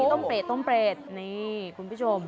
อันนี้ต้มเปรดนี่คุณผู้ชม